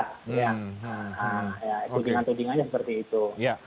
tudingan tudingannya seperti itu